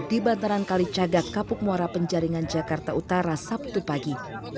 di bantaran kali cagak kapuk muara penjaringan jakarta utara sabtu pagi